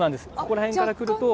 ここら辺から来ると。